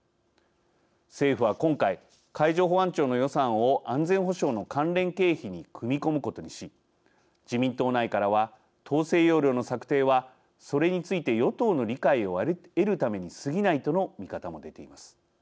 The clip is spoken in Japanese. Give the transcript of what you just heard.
政府は今回、海上保安庁の予算を安全保障の関連経費に組み込むことにし自民党内からは統制要領の策定はそれについて与党の理解を得るためにすぎないとの見方も出ています。